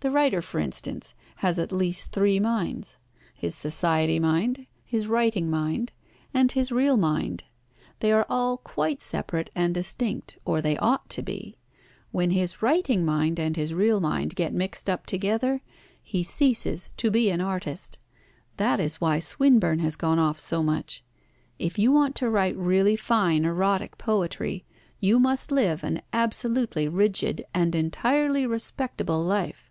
The writer, for instance, has at least three minds his Society mind, his writing mind, and his real mind. They are all quite separate and distinct, or they ought to be. When his writing mind and his real mind get mixed up together, he ceases to be an artist. That is why Swinburne has gone off so much. If you want to write really fine erotic poetry, you must live an absolutely rigid and entirely respectable life.